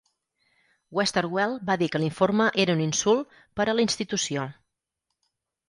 Westerwelle va dir que l"informe era un insult per a la institució.